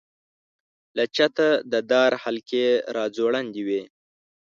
له چته د دار حلقې را ځوړندې وې.